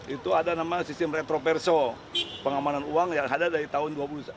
itu ada nama sistem retroverso pengamanan uang yang ada dari tahun dua puluh satu